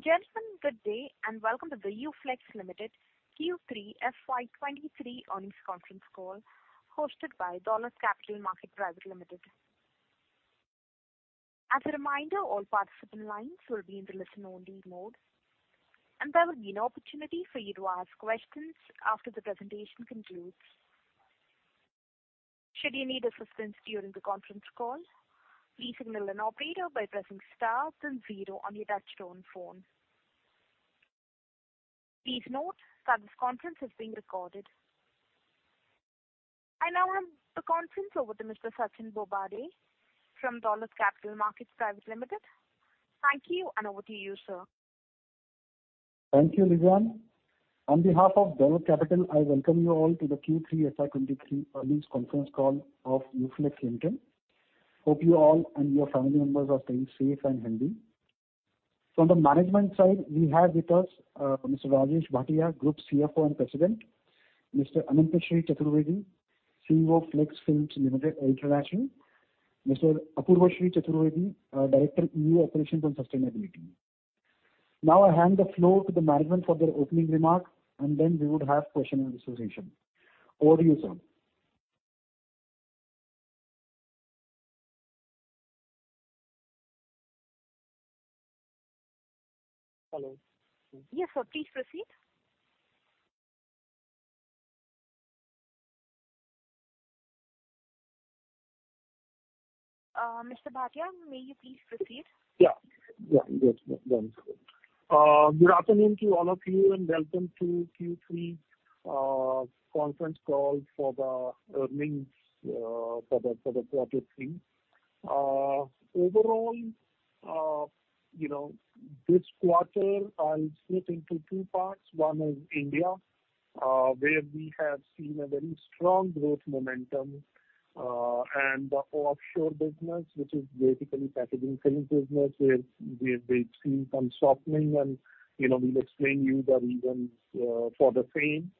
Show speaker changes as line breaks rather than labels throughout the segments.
Ladies and gentlemen, good day. Welcome to the UFlex Limited Q3 FY23 earnings conference call hosted by Dolat Capital Market Private Limited. As a reminder, all participant lines will be in the listen-only mode, and there will be an opportunity for you to ask questions after the presentation concludes. Should you need assistance during the conference call, please signal an operator by pressing star then 0 on your touch-tone phone. Please note that this conference is being recorded. I now hand the conference over to Mr. Sachin Bobade from Dolat Capital Market Private Limited. Thank you. Over to you, sir.
Thank you, Livon. On behalf of Dolat Capital, I welcome you all to the Q3 FY23 earnings conference call of UFlex Limited. Hope you all and your family members are staying safe and healthy. From the management side, we have with us, Mr. Rajesh Bhatia, Group CFO and President; Mr. Anantshree Chaturvedi, CEO of Flex Films International; Mr. Apoorvshree Chaturvedi, Director EU Operations and Sustainability. I hand the floor to the management for their opening remarks, and then we would have question-and-answer session. Over to you, sir. Hello.
Yes, sir. Please proceed. Mr. Bhatia, may you please proceed?
Yeah. Yeah. Yes. Good afternoon to all of you, welcome to Q3 conference call for the earnings for the Q3. Overall, you know, this quarter I'll split into two parts. One is India, where we have seen a very strong growth momentum, the offshore business, which is basically packaging films business, where we have been seeing some softening and, you know, we'll explain you the reasons for the same.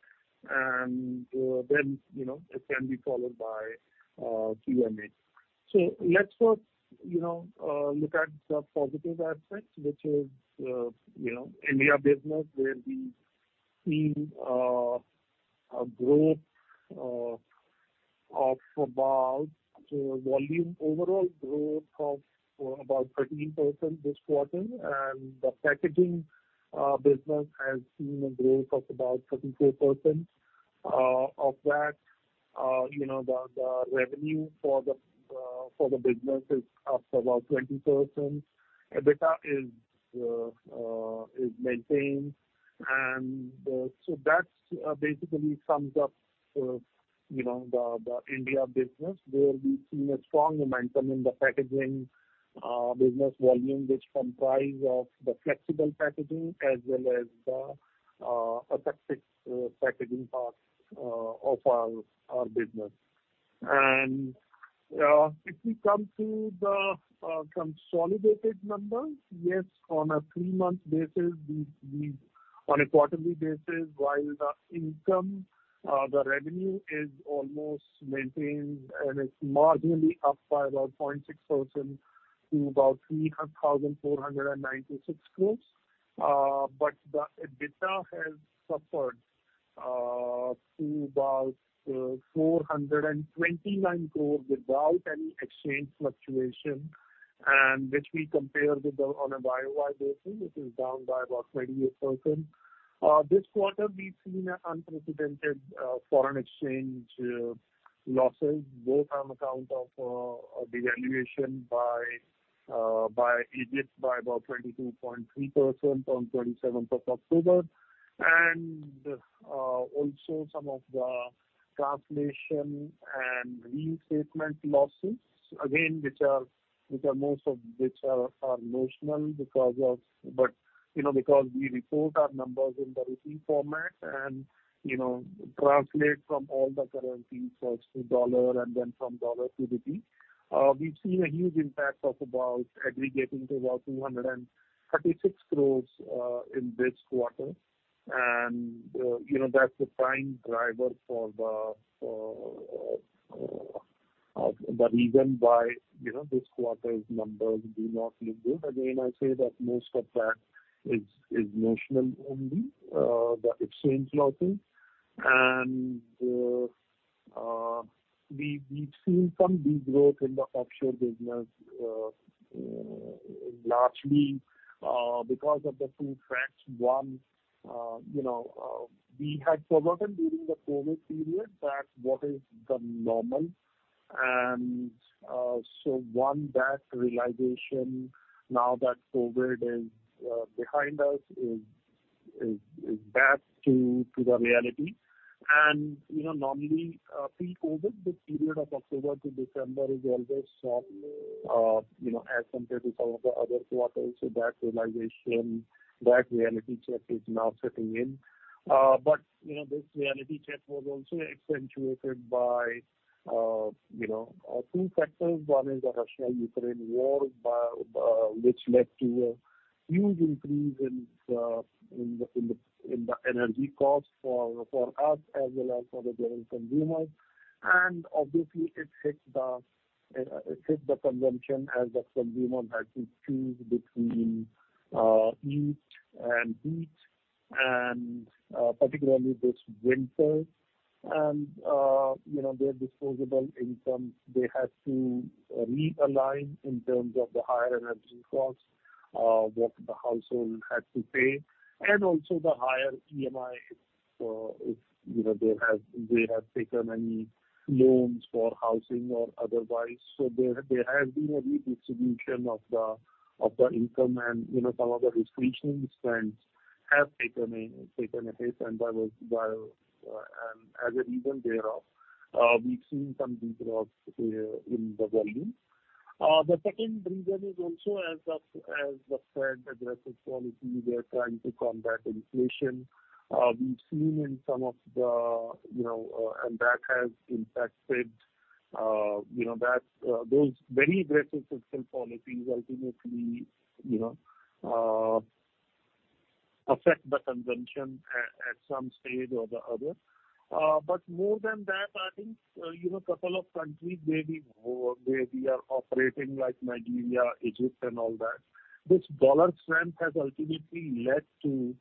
Then, you know, it can be followed by Q&A. Let's first, you know, look at the positive aspects, which is, you know, India business where we've seen a growth of about volume overall growth of about 13% this quarter. The packaging business has seen a growth of about 34%. Of that, you know, the revenue for the business is up to about 20%. EBITDA is maintained. So that's basically sums up, you know, the India business, where we've seen a strong momentum in the packaging business volume, which comprise of the flexible packaging as well as the Aseptic packaging part of our business. If we come to the consolidated numbers, yes, on a three-month basis, we on a quarterly basis, while the income, the revenue is almost maintained, and it's marginally up by about 0.6% to about 300,496. The EBITDA has suffered to about 429 crores without any exchange fluctuation, and which we compare on a YOY basis, which is down by about 28%. This quarter we've seen an unprecedented foreign exchange losses, both on account of a devaluation by Egypt by about 22.3% on 27th of October, and also some of the translation and restatement losses, again, which are notional because of. You know, because we report our numbers in the rupee format and, you know, translate from all the currencies first to dollar and then from dollar to rupee, we've seen a huge impact of about aggregating to about 236 crores in this quarter. You know, that's the prime driver for the reason why, you know, this quarter's numbers do not look good. Again, I say that most of that is notional only, the exchange losses. We've seen some degrowth in the offshore business, largely because of the two facts. One, you know, we had forgotten during the COVID period that what is the normal. So one, that realization now that COVID is behind us is back to the reality. You know, normally, pre-COVID, this period of October to December is always soft, you know, as compared to some of the other quarters. That realization, that reality check is now setting in. But, you know, this reality check was also accentuated by, you know, two factors. One is the Russia-Ukraine war, which led to a huge increase in the energy costs for us as well as for the general consumers. Obviously it hits the consumption as the consumer has to choose between eat and heat, particularly this winter. You know, their disposable income, they had to realign in terms of the higher energy costs, what the household had to pay, and also the higher EMI if, you know, they have taken any loans for housing or otherwise. There has been a redistribution of the income and, you know, some of the discretionary spends have taken a hit. That was while, and as a reason thereof, we've seen some de-growth in the volume. The second reason is also as the Fed aggressive policy, they're trying to combat inflation. We've seen in some of the. You know, that has impacted, you know, that those very aggressive central policies ultimately, you know, affect the consumption at some stage or the other. More than that, I think, you know, couple of countries where we are operating, like Nigeria, Egypt and all that, this dollar strength has ultimately led to,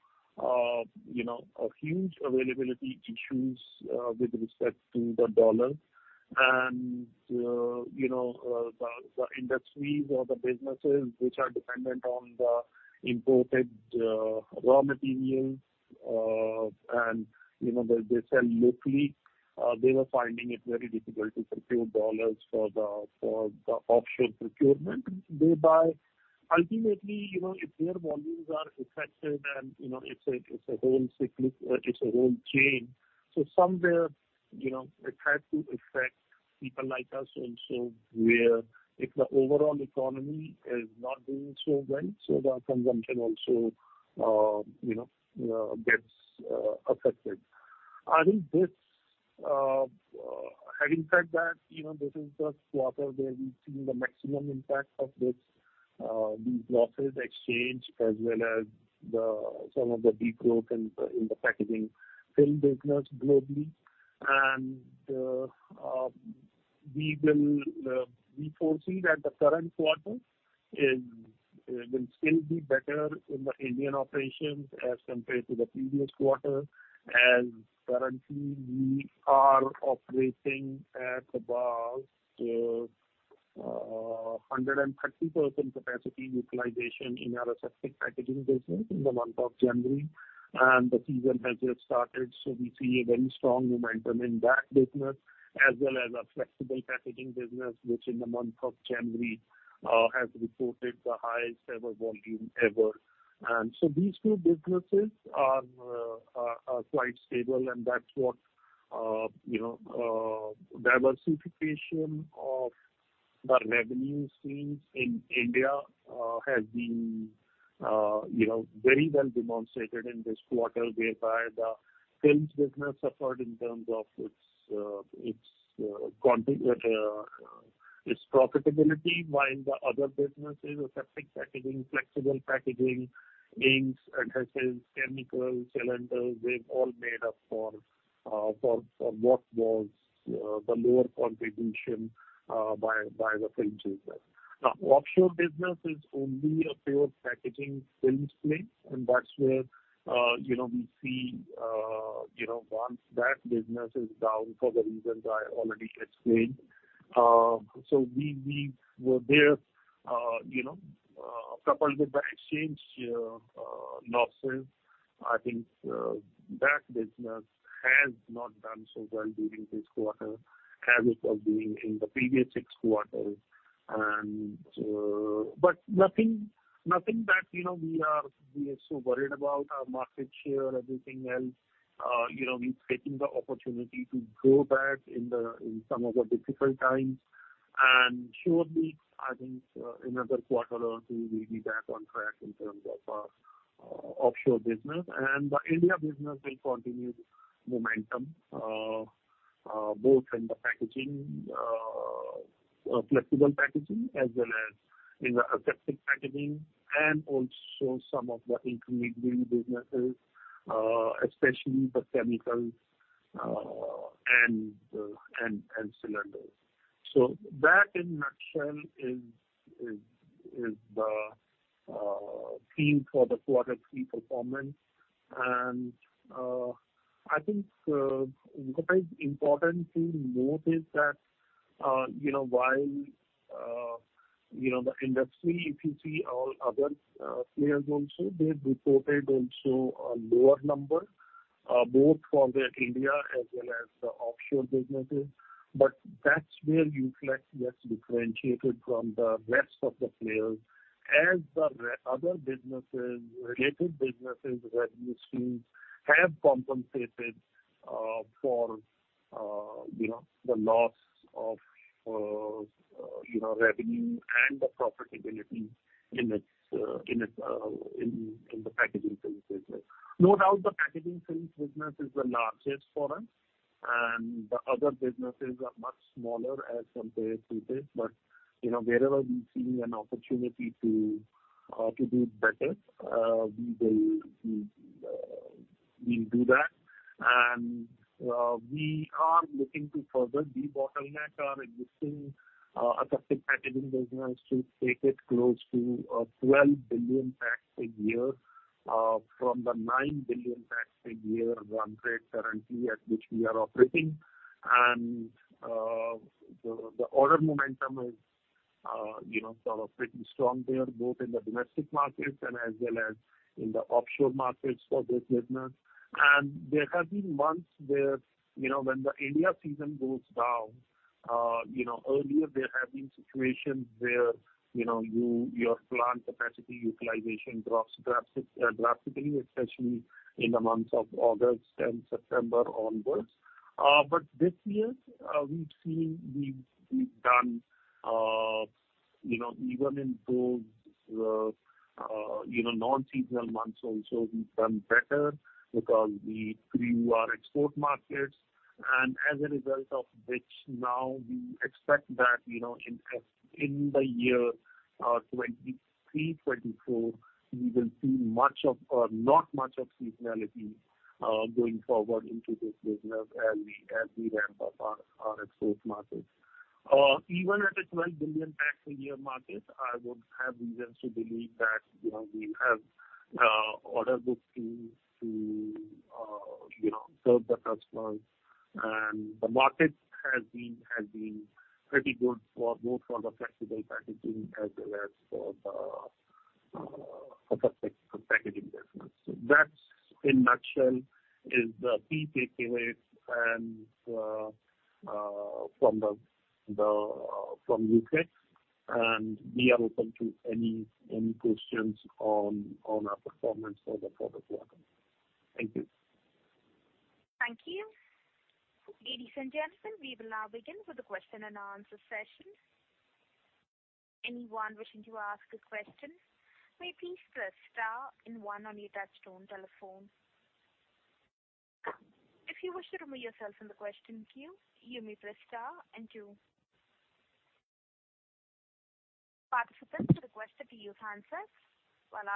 you know, a huge availability issues with respect to the dollar. You know, the industries or the businesses which are dependent on the imported raw materials, and, you know, they sell locally, they were finding it very difficult to procure dollars for the offshore procurement. Thereby ultimately, you know, if their volumes are affected and, you know, it's a whole chain. Somewhere, you know, it had to affect people like us also, where if the overall economy is not doing so well, so the consumption also, you know, gets affected. I think this, having said that, you know, this is the quarter where we've seen the maximum impact of this, these losses exchange as well as the some of the de-growth in the packaging film business globally. We foresee that the current quarter will still be better in the Indian operations as compared to the previous quarter. Currently we are operating at above 130% capacity utilization in our Aseptic Packaging business in the month of January. The season has just started, so we see a very strong momentum in that business as well as our flexible packaging business, which in the month of January has reported the highest ever volume ever. These two businesses are quite stable and that's what, you know, diversification of the revenue streams in India has been, you know, very well demonstrated in this quarter, whereby the films business suffered in terms of its profitability. While the other businesses, Aseptic Packaging, flexible packaging, inks, adhesives, chemicals, cylinders, they've all made up for what was the lower contribution by the films business. Now, offshore business is only a pure packaging films play, and that's where, you know, we see, you know, once that business is down for the reasons I already explained. We were there, you know, coupled with the exchange losses, I think, that business has not done so well during this quarter as it was doing in the previous six quarters. Nothing that, you know, we are so worried about our market share, everything else, you know, we've taken the opportunity to grow back in some of the difficult times. Surely, I think, another quarter or two, we'll be back on track in terms of offshore business. The India business will continue momentum both in the packaging, flexible packaging as well as in the aseptic packaging and also some of the intermediate businesses, especially the chemicals, and cylinders. That in nutshell is the theme for the Q3 performance. I think what is important to note is that, you know, while, you know, the industry, if you see all other players also, they've reported also a lower number both for their India as well as the offshore businesses. That's where UFlex gets differentiated from the rest of the players as the other businesses, related businesses, revenue streams have compensated for, you know, the loss of, you know, revenue and the profitability in its, in the packaging films business. No doubt, the packaging films business is the largest for us, and the other businesses are much smaller as compared to this. You know, wherever we see an opportunity to do better, we do that. We are looking to further debottleneck our existing Aseptic Packaging business to take it close to 12 billion packs a year from the nine billion packs a year run rate currently at which we are operating. The, the order momentum is, you know, sort of pretty strong there, both in the domestic markets and as well as in the offshore markets for this business. There have been months where, you know, when the India season goes down, you know, earlier there have been situations where, you know, your plant capacity utilization drops drastically, especially in the months of August and September onwards. This year, we've seen we've done, you know, even in those, you know, non-seasonal months also we've done better because we grew our export markets. As a result of which now we expect that, you know, in the year 2023, 2024, we will see much of, not much of seasonality going forward into this business as we, as we ramp up our export markets. Even at a 12 billion pack a year market, I would have reasons to believe that, you know, we have order bookings to, you know, serve the customers. The market has been pretty good for both for the flexible packaging as well as for the Aseptic Packaging business. That's in nutshell is the key takeaways from UFlex. We are open to any questions on our performance over for the quarter. Thank you.
Thank you. Ladies and gentlemen, we will now begin with the question and answer session. Anyone wishing to ask a question may please press star and one on your touchtone telephone. If you wish to remove yourself from the question queue, you may press star and two. Participants are requested to use answers while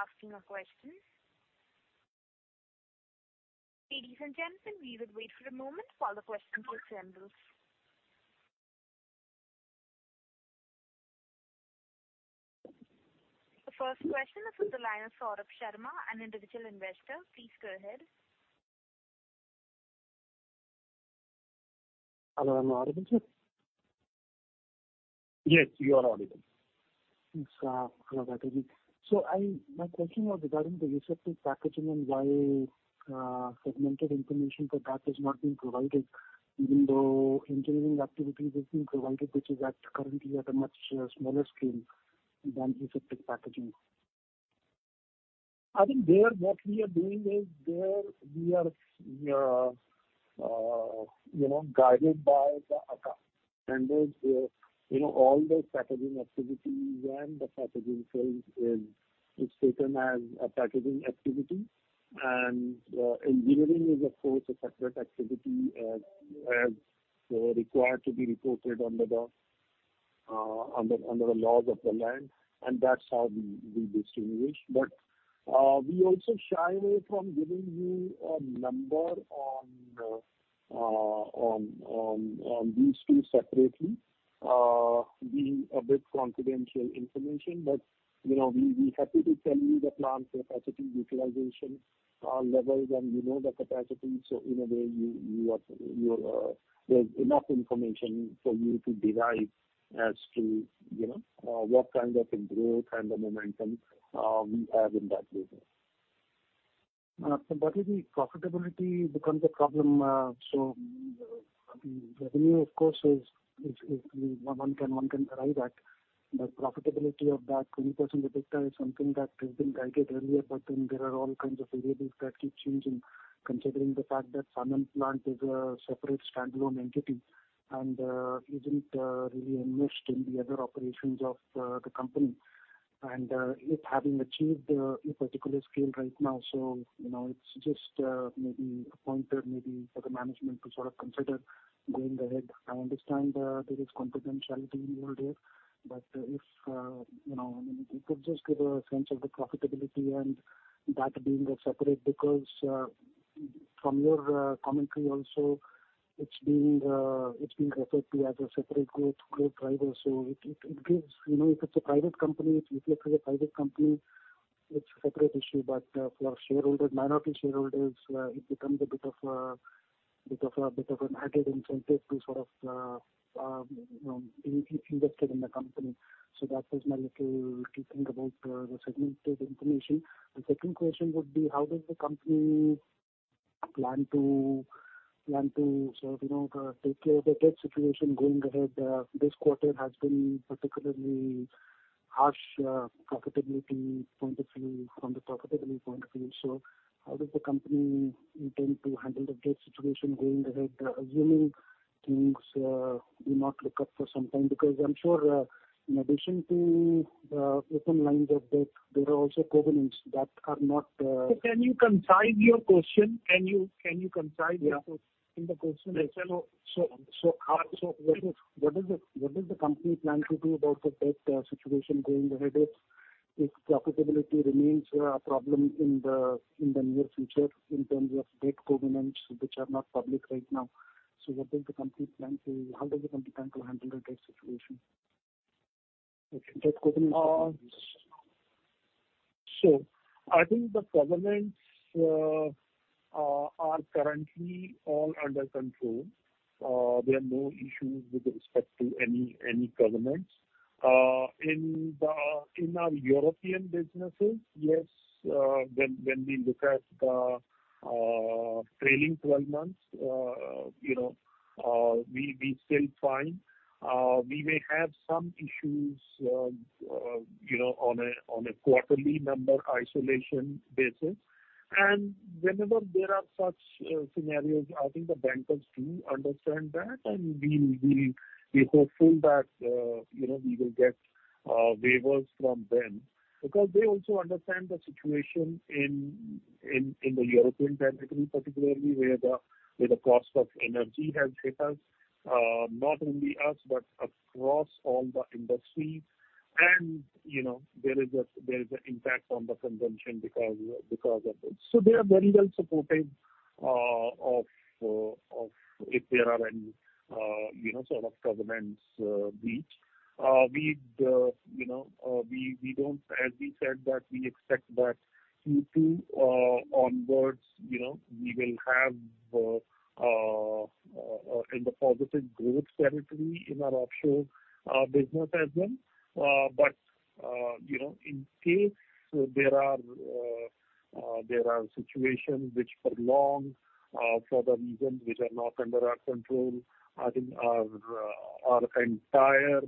asking a question. Ladies and gentlemen, we will wait for a moment while the question pool assembles. The first question is from the line of Saurabh Sharma, an individual investor. Please go ahead.
Hello, am I audible, sir?
Yes, you are audible.
Thanks. Hello, Bhaskar. My question was regarding the Aseptic Packaging and why segmented information for that is not being provided, even though engineering activities is being provided, which is at currently at a much smaller scale than Aseptic Packaging?
I think there what we are doing is there we are, you know, guided by the accounting standards where, you know, all the packaging activities and the packaging sales is taken as a packaging activity. Engineering is of course a separate activity as required to be reported under the laws of the land, and that's how we distinguish. We also shy away from giving you a number on these two separately, being a bit confidential information. You know, we're happy to tell you the plant capacity utilization levels, and you know the capacity. In a way you're there's enough information for you to derive as to, you know, what kind of a growth, kind of momentum we have in that business.
Bhaskar, profitability becomes a problem. The revenue of course is one can derive that. Profitability of that 20% EBITDA is something that has been guided earlier, then there are all kinds of variables that keep changing, considering the fact that Sanand plant is a separate standalone entity and isn't really enmeshed in the other operations of the company. It having achieved a particular scale right now. You know, it's just maybe a pointer maybe for the management to sort of consider going ahead. I understand there is confidentiality involved here, if, you know, I mean, you could just give a sense of the profitability and that being a separate... From your commentary also, it's being referred to as a separate growth driver. It gives... You know, if it's a private company, if Uflex is a private company, it's a separate issue. For shareholders, minority shareholders, it becomes a bit of an added incentive to sort of invested in the company. That was my little thing about the segmented information. The second question would be how does the company plan to sort of, you know, take care of the debt situation going ahead? This quarter has been particularly harsh from the profitability point of view. How does the company intend to handle the debt situation going ahead, assuming things do not look up for some time? I'm sure, in addition to the open lines of debt, there are also covenants that are not.
Can you concise your question? Can you concise your question?
Yeah.
In the question itself.
What is the company planning to do about the debt situation going ahead if profitability remains a problem in the near future in terms of debt covenants which are not public right now? What does the company plan to handle the debt situation?
I think the covenants are currently all under control. There are no issues with respect to any covenants. In our European businesses, yes, when we look at the trailing 12 months, you know, we're still fine. We may have some issues, you know, on a quarterly number isolation basis. Whenever there are such scenarios, I think the bankers do understand that. We're hopeful that, you know, we will get waivers from them because they also understand the situation in the European territory, particularly where the cost of energy has hit us. Not only us, but across all the industries. You know, there is an impact on the consumption because of this. They are very well supportive of if there are any, you know, sort of covenants breach. We'd, you know, As we said that we expect that Q2 onwards, you know, we will have in the positive growth territory in our offshore business as well. You know, in case there are situations which prolong for the reasons which are not under our control, I think our entire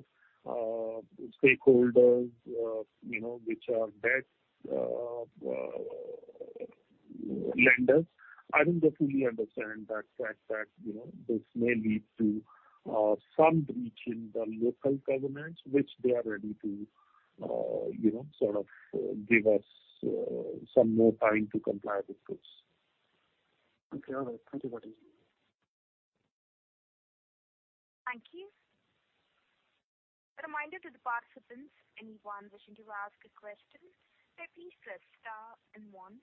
stakeholders, you know, which are debt lenders, I think they fully understand the fact that, you know, this may lead to some breach in the local covenants, which they are ready to, you know, sort of give us some more time to comply with those.
Okay. All right. Thank you very much.
Thank you. A reminder to the participants, anyone wishing to ask a question, please press star and one.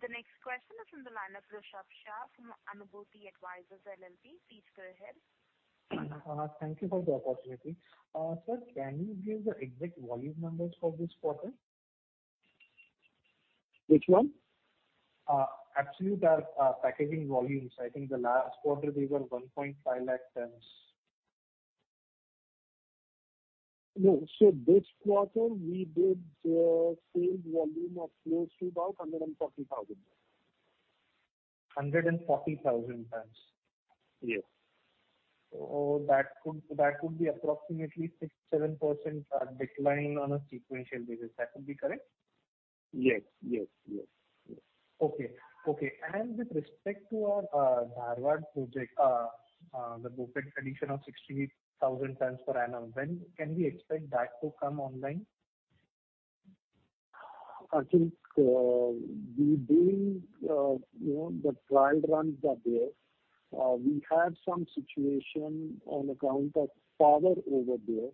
The next question is from the line of Rushabh Shah from Anabuti Advisors LLP. Please go ahead.
Thank you for the opportunity. Sir, can you give the exact volume numbers for this quarter?
Which one?
Absolute packaging volumes. I think the last quarter they were 150,000 tons.
No. This quarter we did sales volume of close to about 140,000.
140,000 tons.
Yes.
That could be approximately 6-7% decline on a sequential basis. That would be correct?
Yes. Yes. Yes. Yes.
Okay. Okay. With respect to our Dharwad project, the bookend addition of 68,000 tons per annum, when can we expect that to come online?
I think, we doing, you know, the trial runs are there. We had some situation on account of power over there.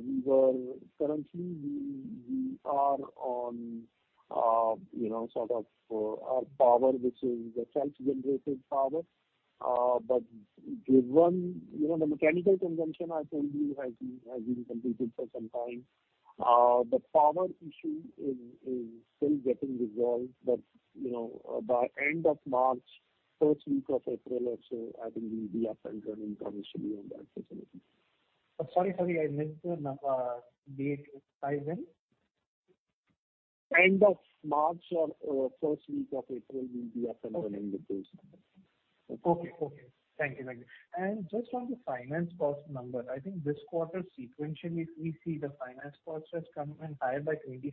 We were currently we are on, you know, sort of, a power which is a self-generated power. Given, you know, the mechanical consumption I told you has been completed for some time. The power issue is still getting resolved. By end of March, first week of April or so, I think we'll be up and running commercially on that facility.
Sorry. I missed the date timeline.
End of March or, first week of April we'll be up and running with those numbers.
Okay. Okay. Thank you. Thank you. Just on the finance cost number, I think this quarter sequentially we see the finance cost has come and higher by 26%.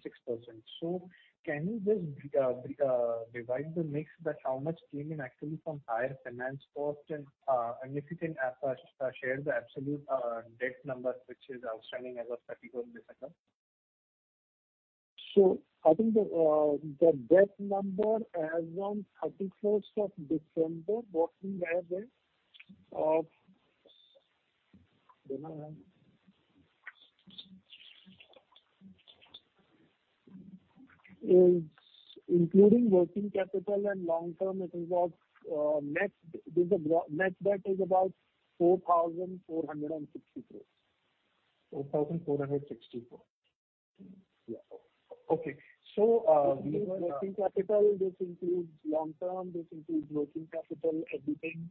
Can you just divide the mix that how much came in actually from higher finance cost and if you can share the absolute debt number which is outstanding as of 31st December.
I think the debt number as on 31st of December, working rather of is including working capital and long term it is of, net debt is about 4,460 crores.
4,460 crores.
Yeah.
Okay.
This includes working capital. This includes long term. This includes working capital, everything.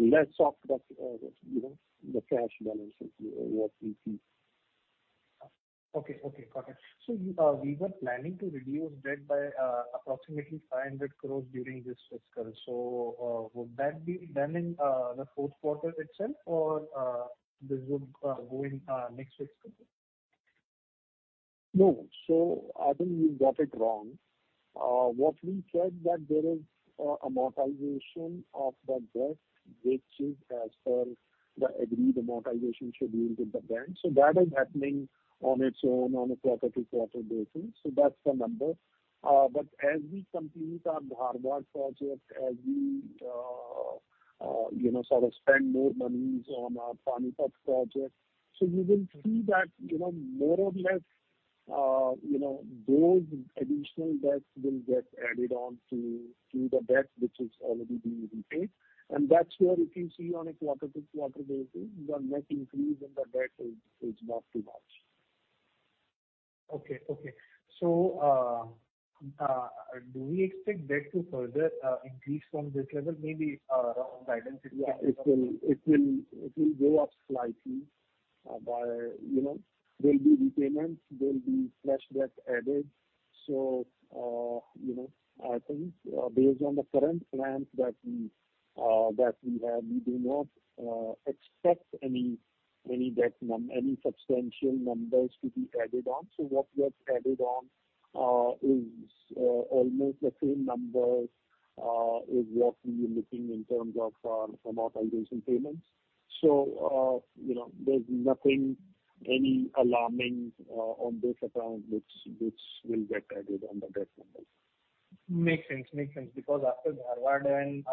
less of the you know, the cash balances what we keep.
Okay. Okay. Got it. You, we were planning to reduce debt by approximately 500 crores during this fiscal. Would that be done in the Q4 itself or this would go in next fiscal?
I think you got it wrong. What we said that there is amortization of the debt which is as per the agreed amortization schedule with the bank. That is happening on its own on a quarter-to-quarter basis. That's the number. As we complete our Dharwad project, as we, you know, sort of spend more monies on our Panipat project. We will see that, you know, more or less, you know, those additional debts will get added on to the debt which is already being repaid. That's where if you see on a quarter-to-quarter basis, the net increase in the debt is not too much.
Okay. Okay. Do we expect debt to further increase from this level? Maybe around guidance.
Yeah, it will go up slightly. By, you know, there'll be repayments, there'll be fresh debt added. You know, I think, based on the current plans that we have, we do not expect any substantial numbers to be added on. What gets added on is almost the same numbers is what we are looking in terms of our amortization payments. You know, there's nothing any alarming on this account which will get added on the debt numbers.
Makes sense. Makes sense. After Dharwad and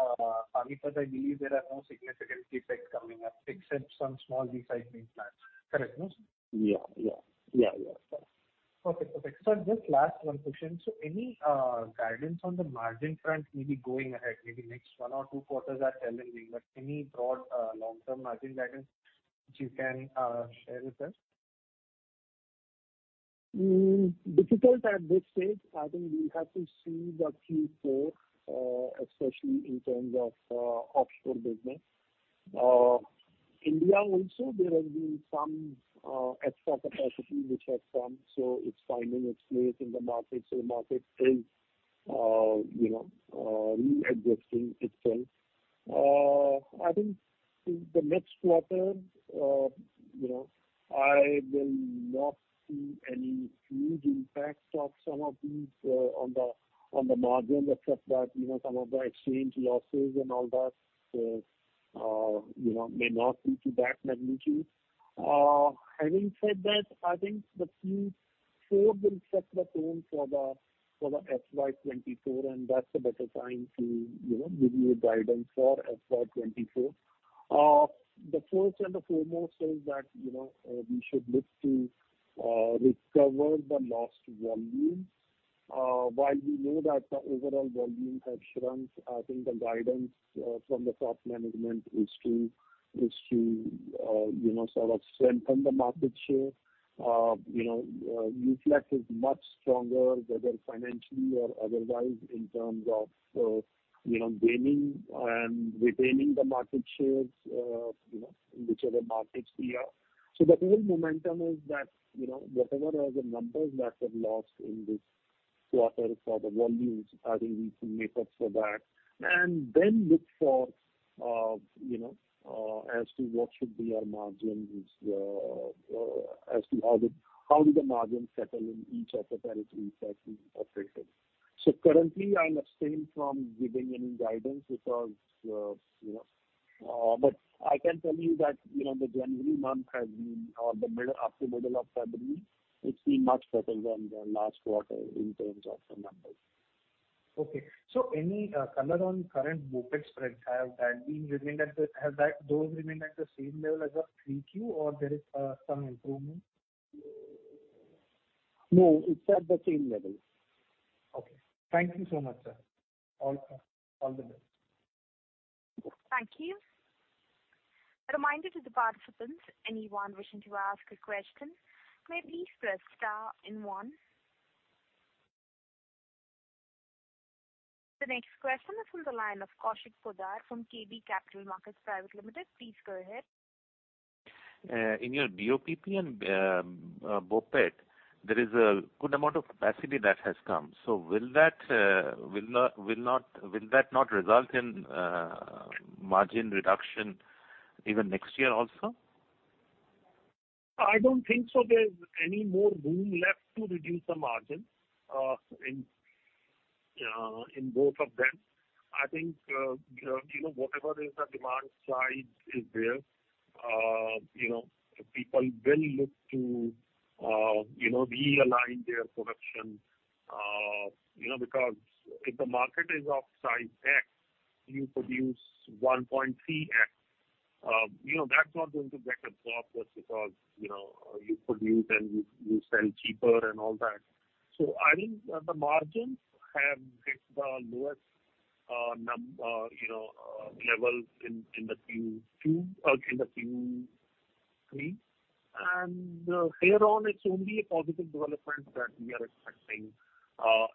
Panipat, I believe there are no significant CapEx coming up except some small.
Yeah. Yeah. Yeah. Yeah.
Okay. Okay. Sir, just last one question. Any guidance on the margin front maybe going ahead, maybe next one or two quarters are challenging, but any broad long-term margin guidance which you can share with us?
Difficult at this stage. I think we have to see the Q4, especially in terms of offshore business. India also there has been some extra capacity which has come, so it's finding its place in the market. The market is, you know, re-adjusting itself. I think in the next quarter, you know, I will not see any huge impacts of some of these on the margin except that, you know, some of the exchange losses and all that, you know, may not be to that magnitude. Having said that, I think the Q4 will set the tone for the FY24, and that's a better time to, you know, give you a guidance for FY24. The first and the foremost is that, you know, we should look to recover the lost volume. While we know that the overall volume has shrunk, I think the guidance from the top management is to, you know, sort of strengthen the market share. You know, UFlex is much stronger, whether financially or otherwise in terms of, you know, gaining and retaining the market shares, you know, in whichever markets we are. So the whole momentum is that, you know, whatever are the numbers that we've lost in this quarter for the volumes, I think we can make up for that and then look for, you know, as to what should be our margins, as to how do the margins settle in each of the territories that we operate in. Currently I'm abstaining from giving any guidance because, you know, but I can tell you that, you know, the January month has been, or the middle, up to middle of February, it's been much better than the last quarter in terms of the numbers.
Okay. Any color on current BOPET spreads? Those remained at the same level as of 3Q or there is some improvement?
No, it's at the same level.
Okay. Thank you so much, sir. All the best.
Thank you. A reminder to the participants, anyone wishing to ask a question may please press star and one. The next question is from the line of Kaushik Poddar from KB Capital Markets Private Limited. Please go ahead.
In your BOPP and BOPET, there is a good amount of capacity that has come. Will that not result in margin reduction even next year also?
I don't think so there's any more room left to reduce the margin, in both of them. I think, you know, whatever is the demand side is there, you know, people will look to, you know, realign their production. You know, because if the market is of size X, you produce 1.3X. You know, that's not going to get absorbed just because, you know, you produce and you sell cheaper and all that. I think the margins have hit the lowest, you know, level in the Q2, in the Q3. Here on it's only a positive development that we are expecting.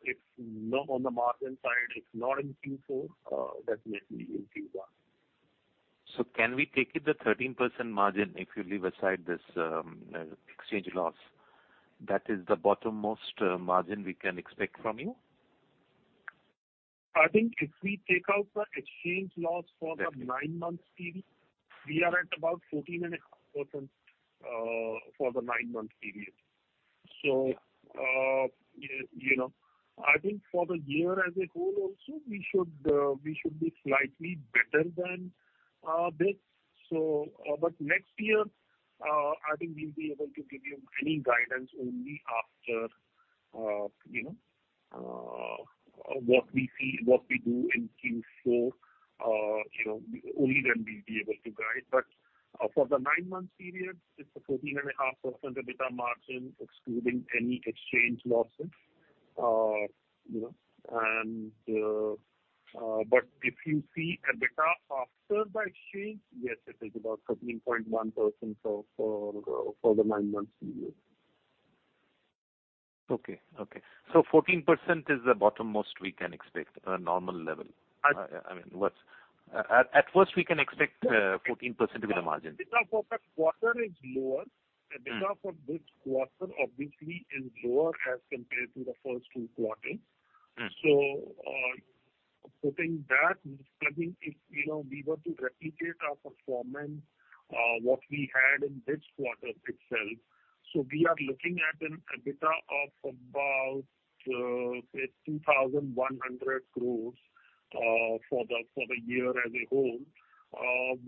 If not on the margin side, if not in Q4, definitely in Q1.
Can we take it the 13% margin if you leave aside this, exchange loss, that is the bottommost, margin we can expect from you?
I think if we take out the exchange loss for the nine-month period, we are at about 14.5% for the nine-month period. You know. I think for the year as a whole also we should be slightly better than this. Next year, I think we'll be able to give you any guidance only after, you know, what we see, what we do in Q4, you know, only then we'll be able to guide. For the nine-month period, it's a 14.5% EBITDA margin excluding any exchange losses. You know, if you see EBITDA after the exchange, yes, it is about 13.1% for the nine-month period.
Okay. Okay. Fourteen percent is the bottommost we can expect, a normal level?
I - I mean, at worst we can expect, 14% EBITDA margin. EBITDA for Q1 is lower.
Mm.
EBITDA for this quarter obviously is lower as compared to the first two quarters.
Mm.
Putting that, if we were to replicate our performance, what we had in this quarter itself, we are looking at an EBITDA of about, say 2,100 crores, for the year as a whole,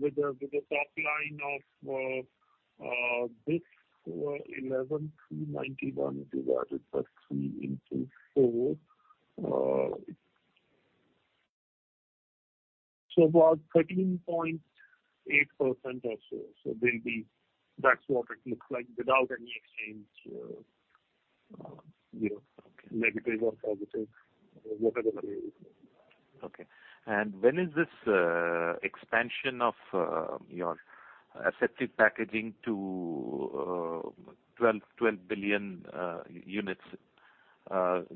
with a top line of, this, 11,391 divided by three into four. About 13.8% or so. That's what it looks like without any exchange, you know.
Okay.
negative or positive, whatever the case may be.
Okay. When is this expansion of your Asepto Packaging to 12 billion units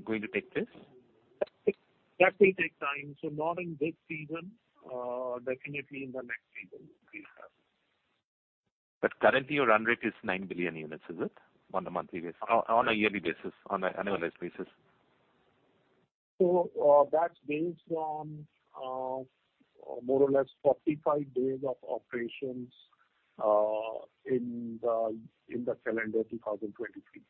going to take place?
That will take time. Not in this season. Definitely in the next season we'll see that.
Currently your run rate is 9 billion units, is it? On a monthly basis. On a yearly basis, on an annualized basis.
That's based on more or less 45 days of operations in the calendar 2023.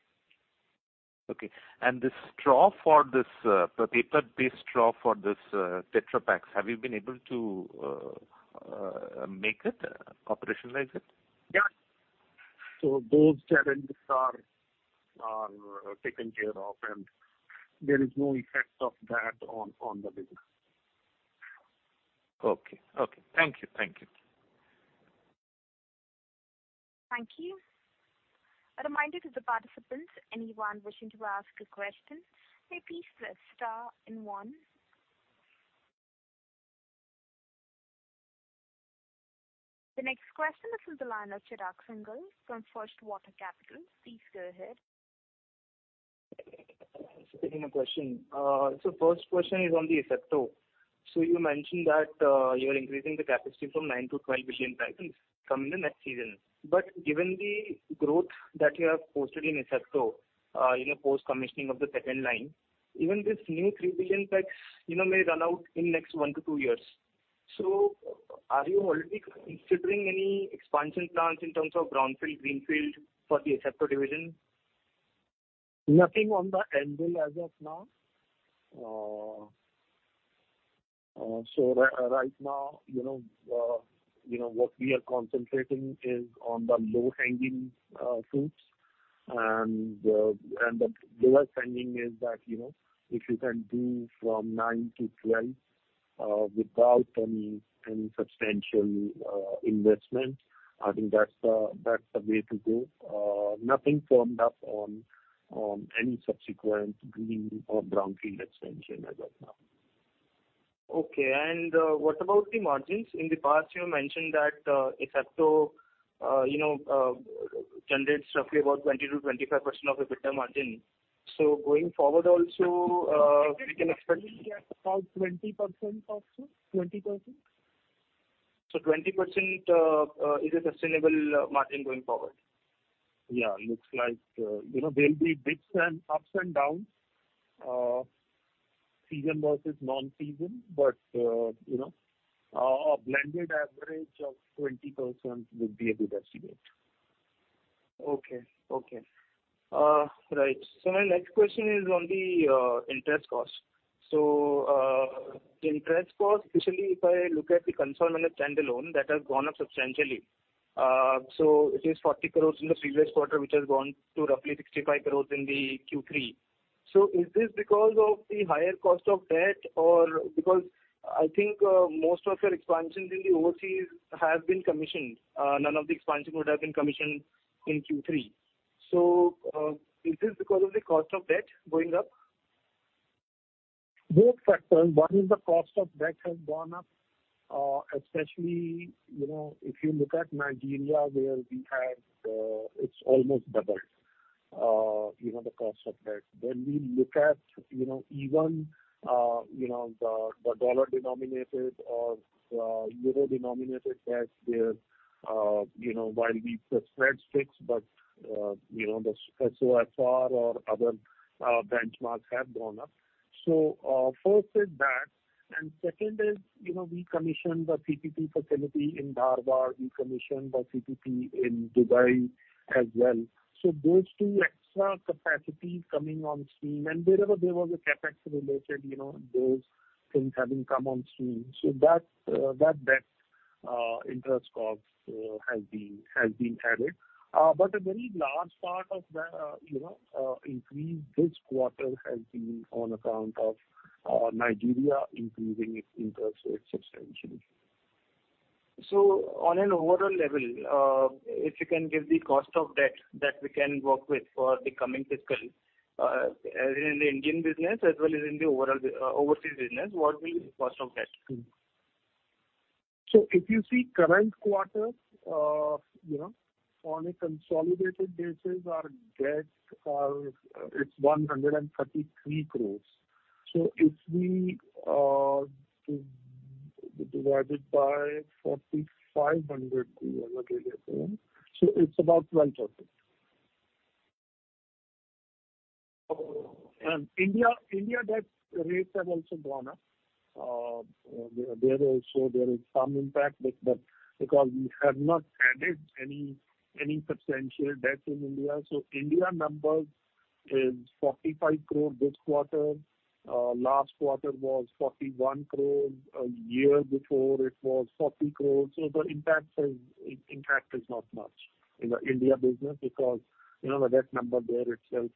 Okay. The straw for this, the paper-based straw for this, Tetra Pak, have you been able to make it, operationalize it?
Yeah. Those challenges are taken care of, and there is no effect of that on the business.
Okay. Okay. Thank you. Thank you.
Thank you. A reminder to the participants, anyone wishing to ask a question, may please press star and one. The next question is from the line of Chirag Singhal from First Water Capital. Please go ahead.
Sure. Thanks for taking the question. First question is on the Asepto. You mentioned that, you're increasing the capacity from 9 to 12 billion packs coming the next season. Given the growth that you have posted in Asepto, you know, post-commissioning of the second line, even this new three billion packs, you know, may run out in next one to two years. Are you already considering any expansion plans in terms of brownfield, greenfield for the Asepto division?
Nothing on the anvil as of now. Right now, you know, what we are concentrating is on the low-hanging fruits and the lower hanging is that, you know, if you can do from 9-12 without any substantial investment, I think that's the way to go. Nothing firmed up on any subsequent green or brownfield expansion as of now.
Okay. What about the margins? In the past, you mentioned that Asepto, you know, generates roughly about 20%-25% of EBITDA margin. Going forward also, we can expect.
It will be at about 20% or so. 20%.
20% is a sustainable margin going forward?
Looks like, you know, there'll be dips and ups and downs, season versus non-season. You know, a blended average of 20% would be a good estimate.
Okay. Right. My next question is on the interest cost. The interest cost, especially if I look at the consolidated stand-alone, that has gone up substantially. It is 40 crores in the previous quarter, which has gone to roughly 65 crores in the Q3. Is this because of the higher cost of debt or because I think most of your expansions in the overseas have been commissioned. None of the expansion would have been commissioned in Q3. Is this because of the cost of debt going up?
Both factors. One is the cost of debt has gone up, especially, you know, if you look at Nigeria where we have, it's almost doubled, you know, the cost of debt. When we look at, you know, even, you know, the dollar-denominated or euro-denominated debt where, you know, while the spread's fixed but, you know, the SOFR or other benchmarks have gone up. First is that. Second is, you know, we commissioned the CPP facility in Dharwad. We commissioned the CPP in Dubai as well. Those two extra capacity coming on stream. Wherever there was a CapEx related, you know, those things having come on stream. That debt interest costs has been added. A very large part of the, you know, increase this quarter has been on account of Nigeria increasing its interest rates substantially.
On an overall level, if you can give the cost of debt that we can work with for the coming fiscal, as in the Indian business as well as in the overall overseas business, what will be the cost of debt?
If you see current quarter, you know, on a consolidated basis, our debts are, it's INR 133 crores. If we divide it by 4,500.
Mm-hmm.
It's about 12%. India debt rates have also gone up. There is some impact because we have not added any substantial debt in India. India numbers is 45 crore this quarter. Last quarter was 41 crore. A year before it was 40 crore. The impact is not much in the India business because, you know, the debt number there itself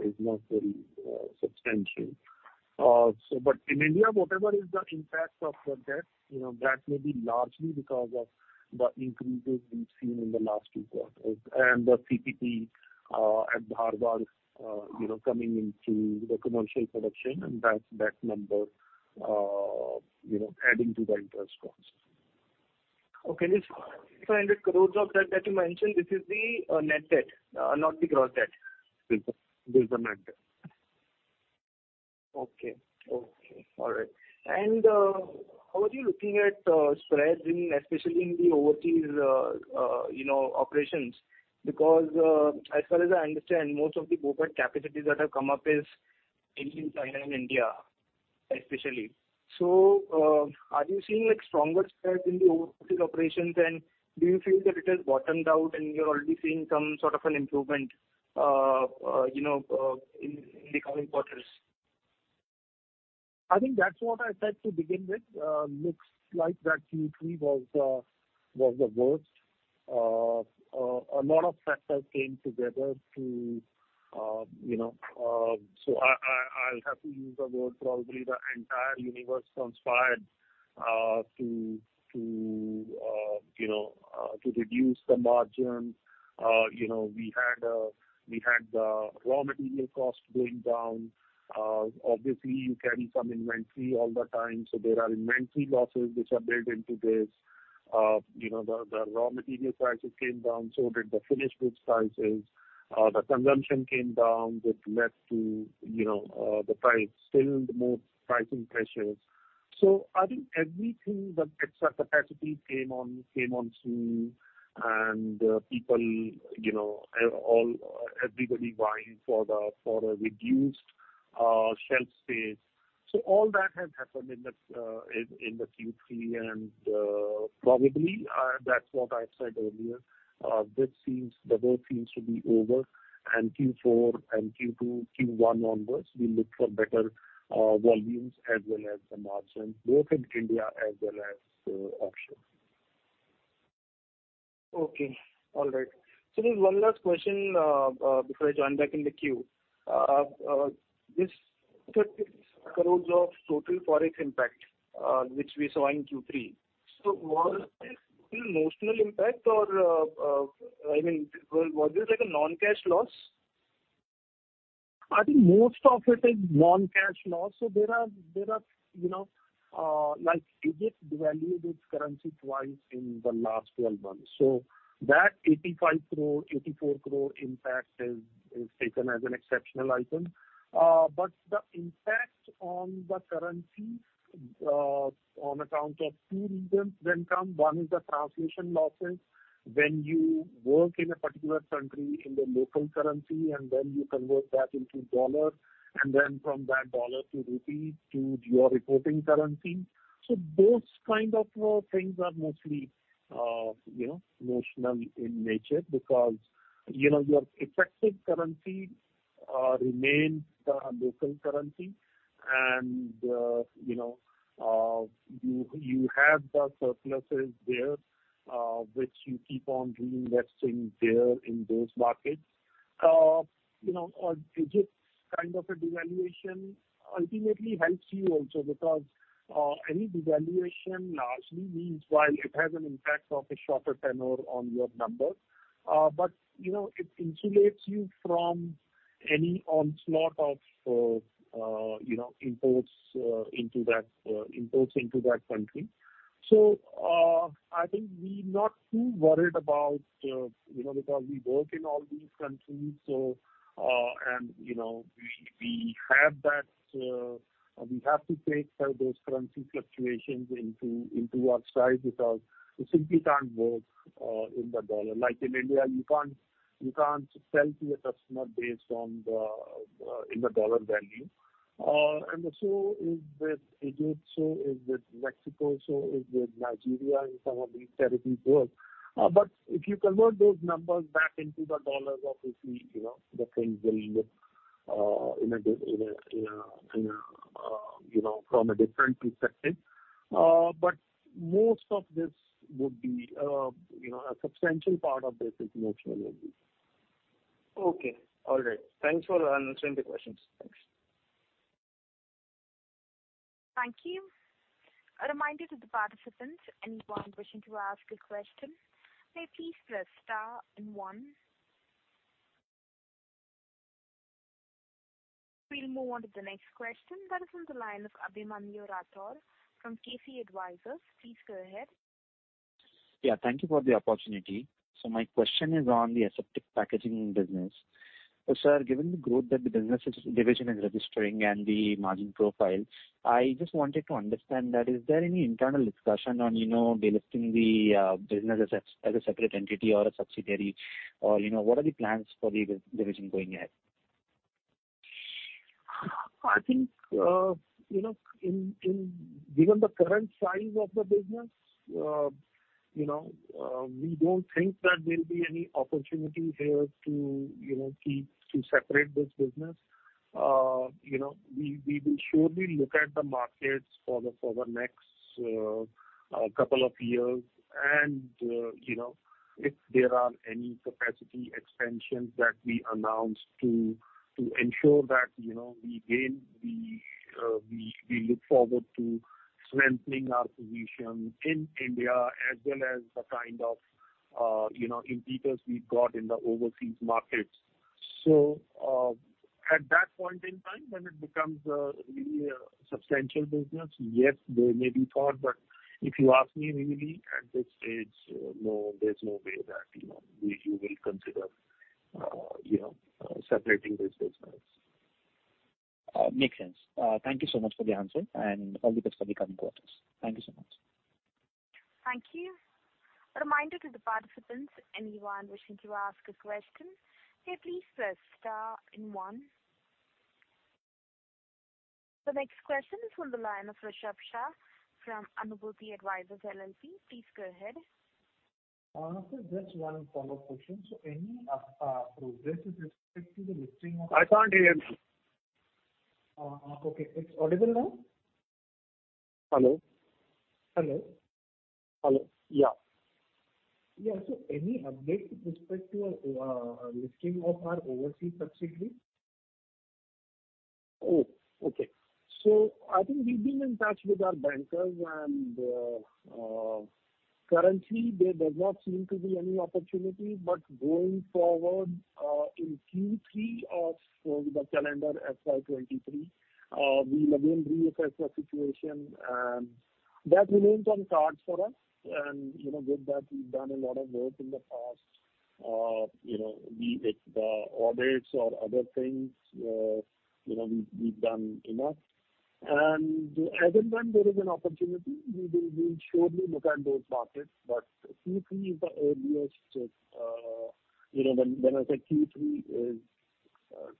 is not very substantial. But in India, whatever is the impact of the debt, you know, that may be largely because of the increases we've seen in the last two quarters and the CPP at Dharwad, you know, coming into the commercial production and that debt number, you know, adding to the interest costs.
Okay. This 500 crores of debt that you mentioned, this is the net debt, not the gross debt?
This is the net debt.
Okay. Okay. All right. How are you looking at spreads in especially in the overseas, you know, operations? Because, as far as I understand, most of the BOPET capacities that have come up is in China and India, especially. Are you seeing like stronger spreads in the overseas operations? Do you feel that it has bottomed out, and you're already seeing some sort of an improvement, you know, in the coming quarters?
I think that's what I said to begin with. Looks like that Q3 was the worst. A lot of factors came together to, you know. I'll have to use the word probably the entire universe conspired to, you know, to reduce the margin. You know, we had the raw material cost going down. Obviously you carry some inventory all the time, so there are inventory losses which are built into this. You know, the raw material prices came down, so did the finished goods prices. The consumption came down, which led to, you know, the price still more pricing pressures. I think everything that extra capacity came on stream and people, you know, everybody vying for a reduced shelf space. All that has happened in the Q3. Probably, that's what I've said earlier. This seems the worst seems to be over. Q4 and Q2, Q1 onwards, we look for better volumes as well as the margins, both in India as well as offshore.
Okay. All right. There's one last question, before I join back in the queue. This 36 crores of total Forex impact, which we saw in Q3. Was this notional impact or, I mean, was this like a non-cash loss?
I think most of it is non-cash loss. There are, you know, like Egypt devalued its currency twice in the last 12 months. That 85 crore, 84 crore impact is taken as an exceptional item. The impact on the currency on account of two reasons when come. One is the translation losses. When you work in a particular country in the local currency, and then you convert that into dollar, and then from that dollar to rupee to your reporting currency. Those kind of things are mostly, you know, notional in nature because, you know, your effective currency remains the local currency. You know, you have the surpluses there, which you keep on reinvesting there in those markets. You know, Egypt's kind of a devaluation ultimately helps you also because any devaluation largely means while it has an impact of a shorter tenure on your numbers, but you know, it insulates you from any onslaught of, you know, imports into that, imports into that country. I think we not too worried about, you know, because we work in all these countries, so, and, you know, we have that, we have to take those currency fluctuations into our stride because you simply can't work in the dollar. Like in India, you can't, you can't sell to your customer based on the in the dollar value. So is with Egypt, so is with Mexico, so is with Nigeria and some of these territories work. If you convert those numbers back into the $, obviously, you know, the things will look from a different perspective. Most of this would be, you know, a substantial part of this is national revenue.
Okay. All right. Thanks for answering the questions. Thanks.
Thank you. A reminder to the participants, anyone wishing to ask a question, may please press star and one. We'll move on to the next question. That is from the line of Abhimanyu Rathore from KC Advisors. Please go ahead.
Yeah. Thank you for the opportunity. My question is on the Aseptic Packaging business. Sir, given the growth that the businesses division is registering and the margin profile, I just wanted to understand that is there any internal discussion on, you know, delisting the business as a separate entity or a subsidiary or, you know, what are the plans for the division going ahead?
I think, you know, in given the current size of the business, you know, we don't think that there'll be any opportunity here to separate this business. You know, we will surely look at the markets for the next couple of years. If there are any capacity expansions that we announce to ensure that, you know, we gain the, we look forward to strengthening our position in India as well as the kind of, you know, impetus we've got in the overseas markets. At that point in time when it becomes a substantial business, yes, there may be thought, but if you ask me really at this stage, no, there's no way that, you know, we usually consider, you know, separating this business.
Makes sense. Thank you so much for the answer and all the best for the coming quarters. Thank you so much.
Thank you. A reminder to the participants, anyone wishing to ask a question, may please press star and one. The next question is from the line of Rushabh Shah from Anabuti Advisors LLP. Please go ahead.
Sir, just one follow-up question. Any progress with respect to the listing.
I can't hear you.
Okay. It's audible now?
Hello?
Hello.
Hello. Yeah.
Yeah. Any update with respect to listing of our overseas subsidiary?
Okay. I think we've been in touch with our bankers and currently there does not seem to be any opportunity. Going forward, in Q3 of the calendar FY 23, we'll again reassess the situation and that remains on cards for us. You know, with that we've done a lot of work in the past. You know, be it the audits or other things, you know, we've done enough. As and when there is an opportunity, we will, we'll surely look at those markets but Q3 is the earliest, you know. When I say Q3 is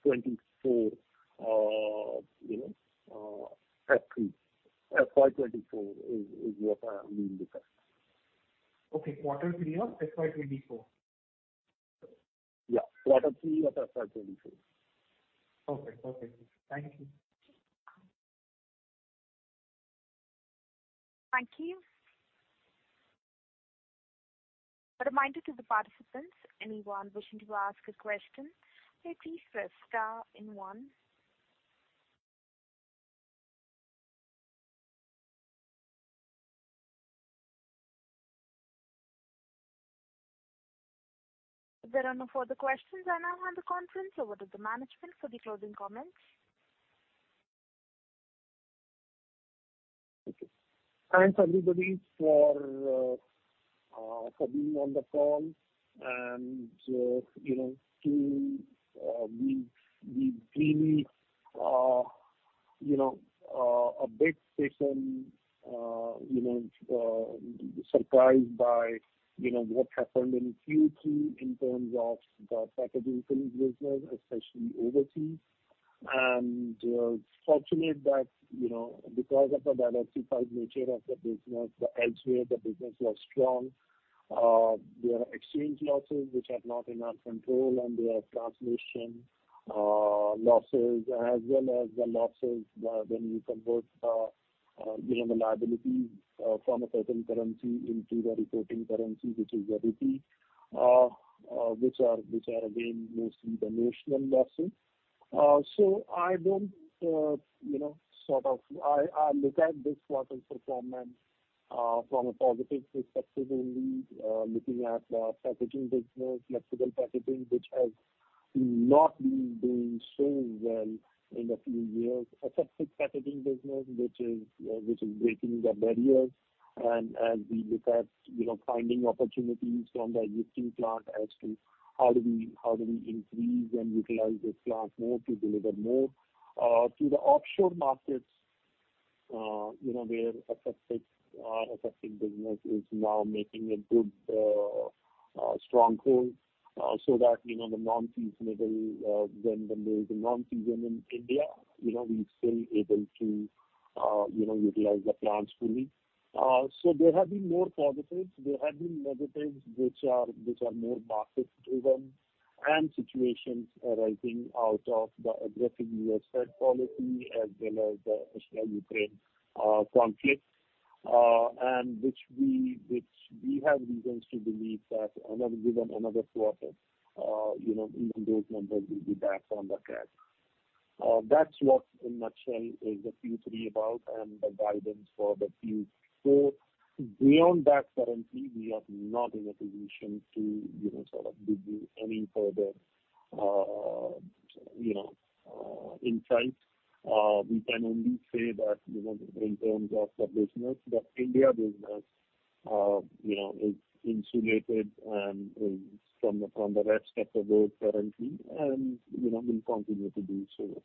24, you know, F3. FY 24 is what we will look at.
Okay. Q3 of FY 2024.
Yeah. Q3 of FY 2024.
Okay. Perfect. Thank you.
Thank you. A reminder to the participants, anyone wishing to ask a question, may please press star and one. There are no further questions. I now hand the conference over to the management for the closing comments.
Okay. Thanks, everybody, for being on the call and, you know, to, we've really, you know, a bit taken, you know, surprised by, you know, what happened in Q2 in terms of the packaging films business, especially overseas. Fortunate that, you know, because of the diversified nature of the business, the elsewhere the business was strong. There are exchange losses which are not in our control, there are translation losses as well as the losses, when you convert, you know, the liabilities, from a certain currency into the reporting currency, which is the rupee, which are again mostly the notional losses. I don't, you know, sort of... I look at this quarter's performance from a positive perspective only, looking at the packaging business, flexible packaging, which has not been doing so well in a few years. Aseptic Packaging business which is breaking the barriers and as we look at, you know, finding opportunities from the existing plant as to how do we increase and utilize this plant more to deliver more to the offshore markets, you know, where Aseptic business is now making a good stronghold, so that, you know, the non-seasonable, when there is a non-season in India, you know, we're still able to, you know, utilize the plants fully. There have been more positives. There have been negatives which are more market-driven and situations arising out of the aggressive US Fed policy as well as the Russia-Ukraine conflict, and which we have reasons to believe that given another quarter, you know, even those numbers will be back on the cast. That's what in nutshell is the Q3 about and the guidance for the Q4. Beyond that currently we are not in a position to, you know, sort of give you any further, you know, insight. We can only say that, you know, in terms of the business, the India business, you know, is insulated and is from the rest of the world currently and, you know, will continue to do so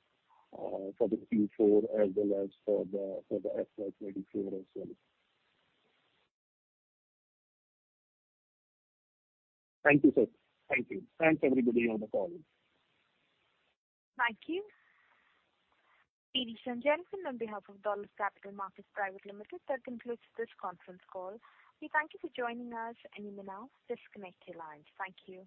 for the Q4 as well as for the FY24 as well. Thank you, sir. Thank you. Thanks everybody on the call.
Thank you. Ladies and gentlemen, on behalf of Dolat Capital Market Private Limited, that concludes this conference call. We thank you for joining us, and you may now disconnect your lines. Thank you.